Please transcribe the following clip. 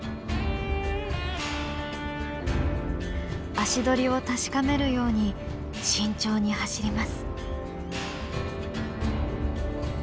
足取りを確かめるように慎重に走ります。